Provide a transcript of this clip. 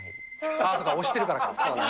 ああ、そっか、推してるからか。